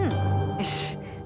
よし。